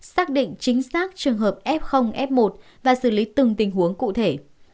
xác định chính xác trường hợp f f một và xử lý từng tình huống cụ thể